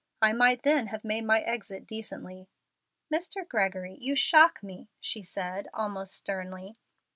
I might then have made my exit decently." "Mr. Gregory, you shock me," she said, almost sternly.